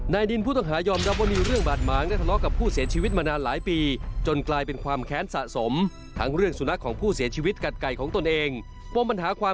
ในปี๑๓ที่ผ่านมา